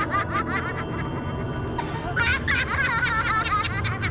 tak ada pusuk semua